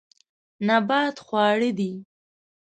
نبات خواړه دي.